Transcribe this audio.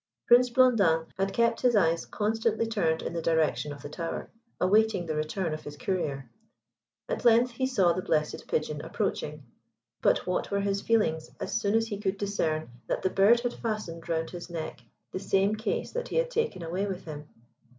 Prince Blondin had kept his eyes constantly turned in the direction of the tower, awaiting the return of his courier. At length he saw the blessed Pigeon approaching; but what were his feelings as soon as he could discern that the bird had fastened round his neck the same case that he had taken away with him!